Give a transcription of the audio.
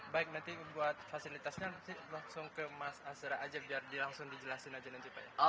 baik nanti buat fasilitasnya nanti langsung ke mas azra aja biar langsung dijelasin aja nanti pak ya